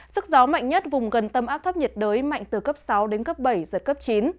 sức gió mạnh nhất vùng gần tâm áp thấp nhiệt đới mạnh từ cấp sáu đến cấp bảy giật cấp chín